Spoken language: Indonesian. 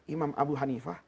imam abu hanifah